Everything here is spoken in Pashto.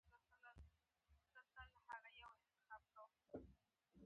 د ژمي په وروستۍ میاشت کې له ټېغنې مخکې بلې قوریې ته انتقالېږي.